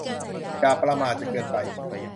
อย่าประมาทจนเกินไป